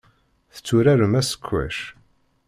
Tetturarem asekwac?